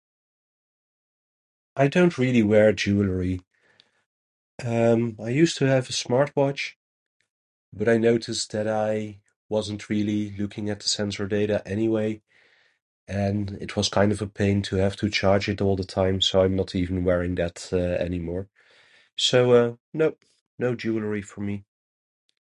I don't really wear jewelry. Um, I used to have a smartwatch, but I noticed that I wasn't really looking at the sensor data anyway, and it was kind of a pain to have to charge it all the time. So I'm not even wearing that, uh, any more. So nope, no jewelry for me.